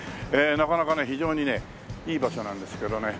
なかなかね非常にねいい場所なんですけどね。